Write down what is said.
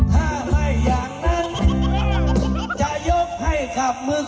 ถ้าไม่อย่างนั้นจะยกให้ขับมือ